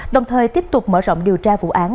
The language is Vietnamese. đồng thời tiếp tục mở rộng điều tra vụ án